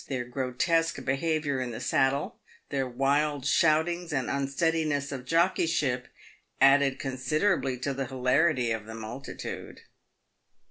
Their grotesque be haviour in the saddle, their wild shoutings and unsteadiness of jockey ship, added considerably to the hilarity of the multitude.